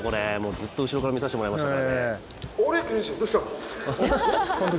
ずっと後ろから見させてもらいましたからね。